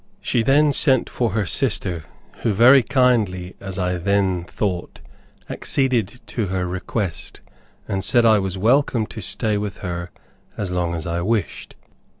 She then sent for her sister, who very kindly, as I then thought, acceded to her request, and said I was welcome to stay with her as long as I wished.